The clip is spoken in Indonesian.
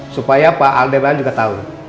supaya pak alberlan juga tahu